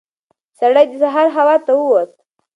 سړی د سهار هوا ته ووت.